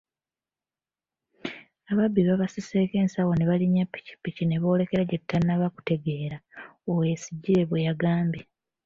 “Ababbi babasiseeko ensawo nebalinnya pikipiki neboolekera gyetutannaba kutegeera,” Oweyesigire bweyagambye.